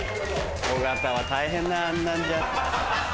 尾形は大変だあんなんじゃ。